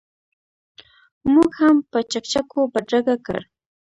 موږ هم په چکچکو بدرګه کړ.